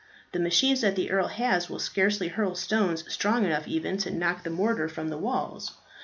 The machines that the earl has will scarcely hurl stones strong enough even to knock the mortar from the walls.